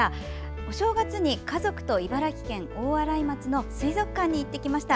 お正月に家族と茨城県大洗町の水族館に行ってきました。